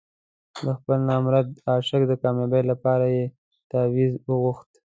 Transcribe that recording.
د خپل نامراده عشق د کامیابۍ لپاره یې تاویز وغوښت.